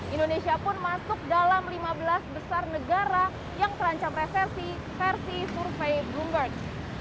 indonesia pun masuk dalam lima belas besar negara yang terancam resesi versi survei bloomberg